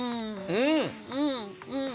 うん。